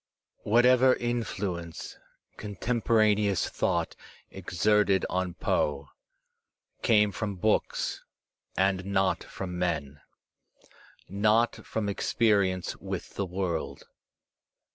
Whatever influence contemporaneous thought exerted on Poe came from books and not from men, not from experience with the world.